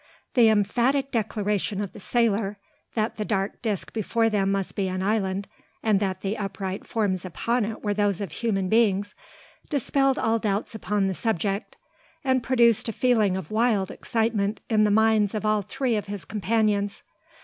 The emphatic declaration of the sailor, that the dark disc before them must be an island, and that the upright forms upon it were those of human beings, dispelled all doubts upon the subject; and produced a feeling of wild excitement in the minds of all three of his companions.